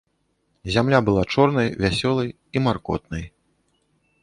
Зямля была чорнай, вясёлай і маркотнай.